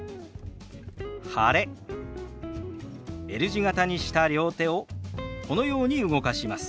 Ｌ字形にした両手をこのように動かします。